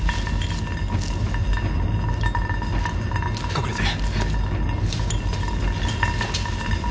隠れて。